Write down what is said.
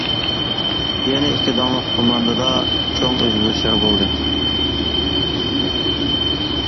يەنى، ئىككى داڭلىق كوماندىدا چوڭ ئۆزگىرىشلەر بولدى.